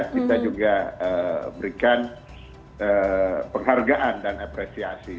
kita juga berikan penghargaan dan apresiasi